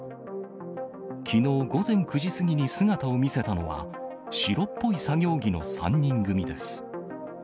きのう午前９時過ぎに姿を見せたのは、白っぽい作業着の３人組です。